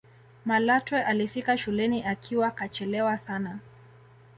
malatwe alifika shuleni akiwa kachelewa sana